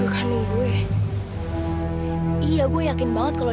kalau kayak ibu off sekolah